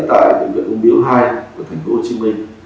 tại bệnh viện công biểu hai của thành phố hồ chí minh